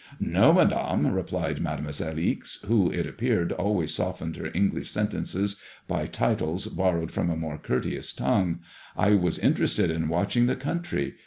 " No, Madame," replied Made moiselle Ixe, who, it appeared, always softened her English sen tences by titles borrowed from a more courteous tongue ;*^ I was interested in watching the country.